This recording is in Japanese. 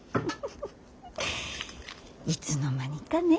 いつの間にかね。